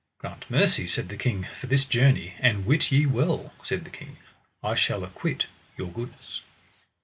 Grant mercy, said the king, for this journey; and wit ye well, said the king, I shall acquit your goodness.